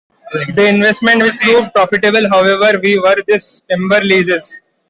The investment which proved profitable however, were his timber leases.